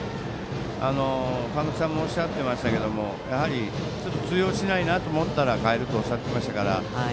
監督さんもおっしゃっていましたがやはり、ちょっと通用しないなと思ったら代えるとおっしゃっていましたから。